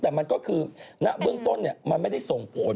แต่มันก็คือณเบื้องต้นมันไม่ได้ส่งผล